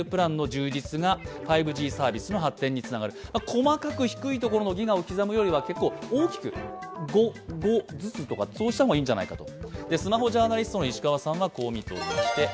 細かく低いところのギガを刻むよりは大きく、５ずつとか、そうした方がいいんじゃないかと。